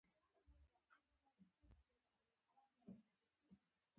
دې چوپیتا کې به څوک چاته ګلان واخلي؟